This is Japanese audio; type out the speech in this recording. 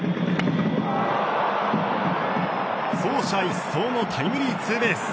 走者一掃のタイムリーツーベース。